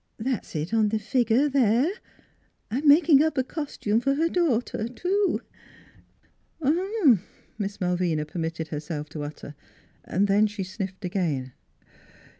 That's it on the figure there. I'm making up a costume for her daughter, too." "Uh huh," Miss Malvina permitted herself to utter. Then she sniffed again.